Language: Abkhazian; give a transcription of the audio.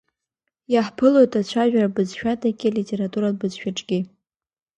Иаҳԥылоит ацәажәаратә бызшәадагьы, алитературатә бызшәаҿгьы.